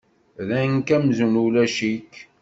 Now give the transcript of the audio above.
Rran-k amzun ulac-ik.